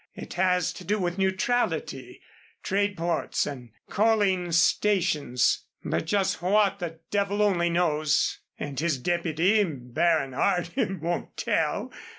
It has to do with neutrality, trade ports and coaling stations; but just what, the devil only knows, and his deputy, Baron Arnim, won't tell.